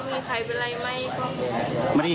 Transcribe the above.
มีใครเป็นอะไรมั้ย